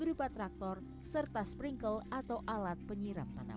berupa traktor serta sprinkle atau alat penyiram tanaman